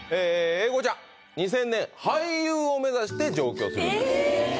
英孝ちゃん２０００年俳優を目指して上京するんですえ